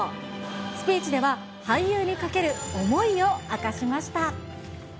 スピーチでは、俳優にかける思いを明かしました。